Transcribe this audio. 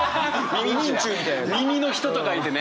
「耳の人」と書いてね！